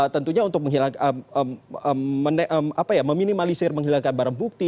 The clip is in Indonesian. tentunya untuk menghilangkan apa ya meminimalisir menghilangkan barang bukti